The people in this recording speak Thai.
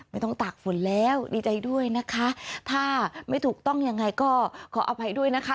ตากฝนแล้วดีใจด้วยนะคะถ้าไม่ถูกต้องยังไงก็ขออภัยด้วยนะคะ